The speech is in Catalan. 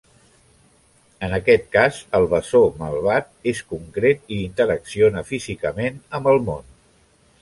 En aquest cas el bessó malvat és concret i interacciona físicament amb el món.